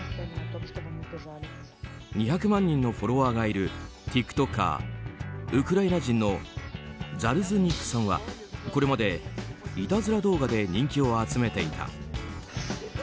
２００万人のフォロワーがいるティックトッカーウクライナ人のザルズニクさんはこれまでいたずら動画で人気を集めていた。